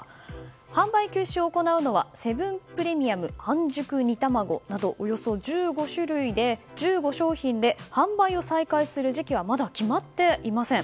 販売休止を行うのはセブンプレミアム半熟煮たまごなどおよそ１５商品で販売を再開する時期はまだ決まっていません。